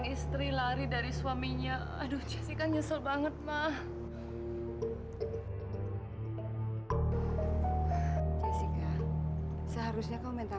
iya sih tapi tetap jessica hormati mama